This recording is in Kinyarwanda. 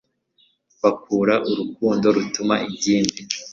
Bakura Urukundo rutuma ingimbi